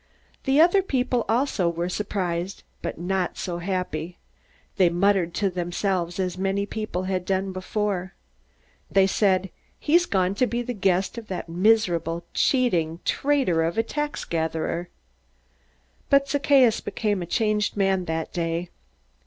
The other people also were surprised, but not so happy. They muttered to themselves, as many people had done before. They said, "He's gone to be the guest of that miserable, cheating traitor of a taxgatherer!" But Zacchaeus became a changed man that day.